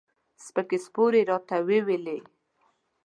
سپکې سپورې یې راته وویلې.